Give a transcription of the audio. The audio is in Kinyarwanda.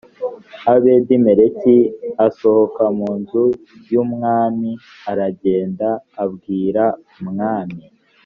ebedi meleki asohoka mu nzu y umwami aragenda abwira umwami